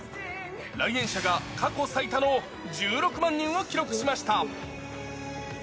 来園者が過去最多の１６万人を記録しました。